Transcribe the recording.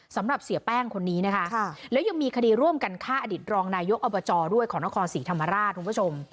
สำหรับเสียแป้งคนนี้นะคะแล้วยังมีคดีร่วมกันฆ่าอดิษฐรองนายกอบจด้วยของนครศรีธรรมราชคุณผู้ชม